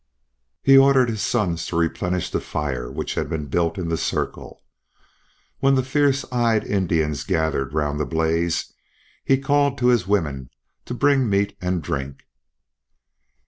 He ordered his sons to replenish the fire which had been built in the circle, and when the fierce eyed Indians gathered round the blaze he called to his women to bring meat and drink.